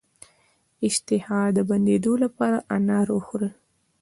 د اشتها د بندیدو لپاره انار وخورئ